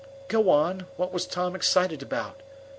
"Go on. What was Tom excited about?"